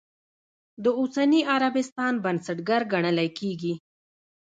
د اوسني عربستان بنسټګر ګڼلی کېږي.